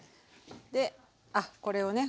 であっこれをね